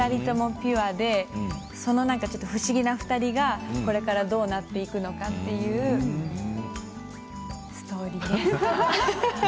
ピュアでそのちょっと不思議な２人がこれからどうなっていくのかというストーリーです。